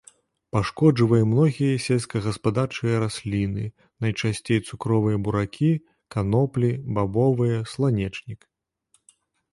Пашкоджвае многія сельскагаспадарчыя расліны, найчасцей цукровыя буракі, каноплі, бабовыя, сланечнік.